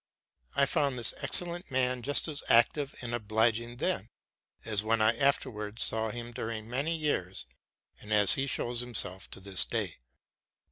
I found this excellent man just as active and obliging then, as when I afterwards saw him during many years, and as he shows himself to this day.